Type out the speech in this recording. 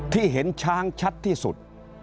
ที่เห็นช้างชัดที่สุด